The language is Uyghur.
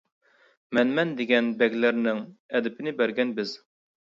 مەنمەن دېگەن بەگلەرنىڭ، ئەدىپىنى بەرگەن بىز.